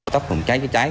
tập phòng cháy chữa cháy